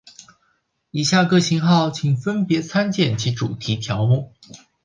以下各型号请分别参见其主题条目。